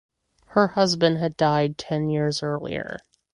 Her husband had died ten years earlier.